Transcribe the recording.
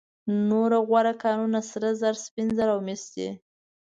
نور غوره کانونه سره زر، سپین زر او مس دي.